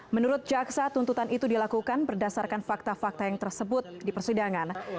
menurut jaksa tuntutan itu dilakukan berdasarkan fakta fakta yang tersebut di persidangan